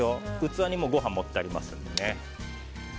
器にご飯盛ってありますのでね。